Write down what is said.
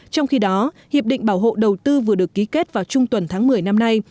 trong khi đó hiệp định bảo hộ đầu tư vừa được ký kết vào trung tuần tháng một mươi năm nay